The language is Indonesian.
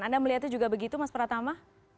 anda melihatnya juga begitu mas pratama